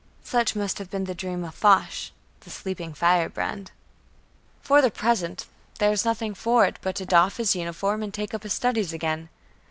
Such must have been the dream of Foch, the "sleeping firebrand." For the present, there was nothing for it, but to doff his uniform and take up his studies again.